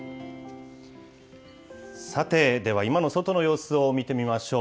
さて、では今の外の様子を見てみましょう。